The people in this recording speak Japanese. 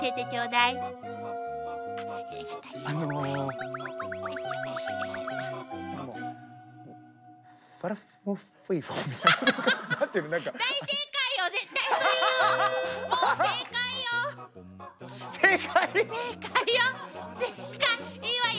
いいわよ。